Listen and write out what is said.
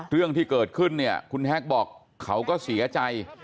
เรื่องที่เกิดขึ้นเนี่ยคุณแฮกบอกเขาก็เสียใจ